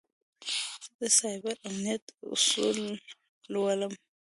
زه د سایبر امنیت اصول لولم.